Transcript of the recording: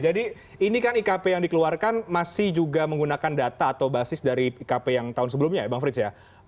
jadi ini kan ikp yang dikeluarkan masih juga menggunakan data atau basis dari ikp yang tahun sebelumnya ya bang frits ya